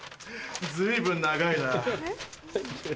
随分長いな。